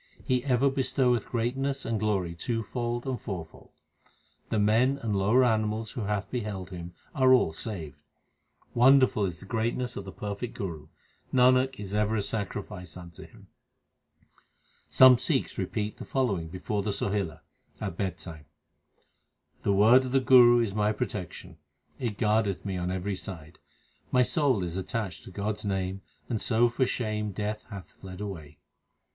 He ever bestoweth greatness and glory twofold and four fold. The men and lower animals who have beheld him are all saved. Wonderful is the greatness of the perfect Guru ; Nanak is ever a sacrifice unto him. Some Sikhs repeat the following before the Sohila, at bed time : The word of the Guru is my protection ; It guardeth me on every side. My soul is attached to God s name, And so for shame Death hath fled away.